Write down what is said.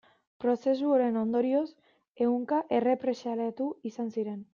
Prozesu horren ondorioz, ehunka errepresaliatu izan ziren.